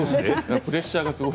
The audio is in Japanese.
プレッシャーがすごい。